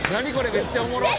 めっちゃおもろっ！」